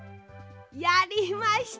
やりました！